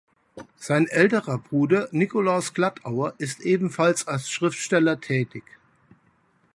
Sein älterer Bruder Nikolaus Glattauer ist ebenfalls als Schriftsteller tätig.